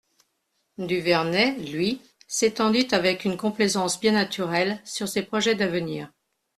Duvernet, lui, s'étendit avec une complaisance bien naturelle sur ses projets d'avenir.